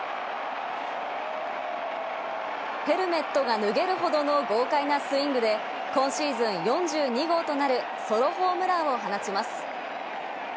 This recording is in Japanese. ヘルメットが脱げるほどの豪快なスイングで、今シーズン４２号となるソロホームランを放ちます。